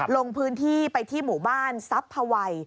ลงพื้นที่ไปที่หมู่บ้านซับพวัย